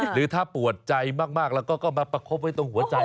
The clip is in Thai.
หรือถ้าปวดใจมากแล้วก็มาประคบไว้ตรงหัวใจ